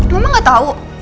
mama nggak tahu